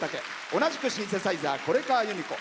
同じくシンセサイザー是川由美子。